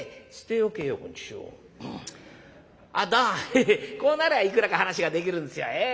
ヘヘヘこうなりゃいくらか話ができるんですよええ。